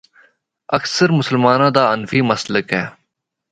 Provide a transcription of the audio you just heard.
اکثر مسلماناں دا حنفی مسلک ہے۔